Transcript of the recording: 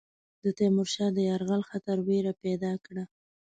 د تیمور شاه د یرغل خطر وېره پیدا کړه.